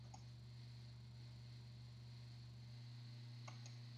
En el mayo fue formada la primera división unida azerbaiyano.